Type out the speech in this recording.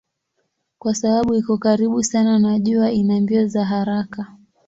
Kwa sababu iko karibu sana na jua ina mbio za haraka.